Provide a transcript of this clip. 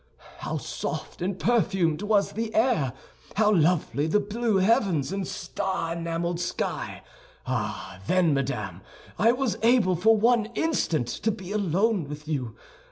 How soft and perfumed was the air; how lovely the blue heavens and star enameled sky! Ah, then, madame, I was able for one instant to be alone with you.